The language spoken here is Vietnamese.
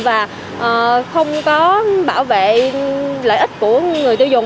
và không có bảo vệ lợi ích của người tiêu dùng